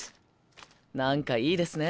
何かいいですね